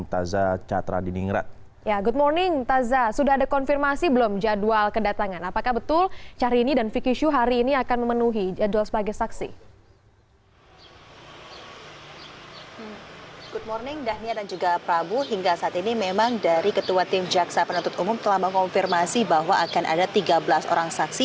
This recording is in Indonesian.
dhania dan juga prabu hingga saat ini memang dari ketua tim jaksa penuntut umum telah mengonfirmasi bahwa akan ada tiga belas orang saksi